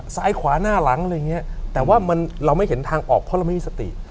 ซ้ายขวาหน้าหลังอะไรอย่างเงี้ยแต่ว่ามันเราไม่เห็นทางออกเพราะเราไม่มีสติ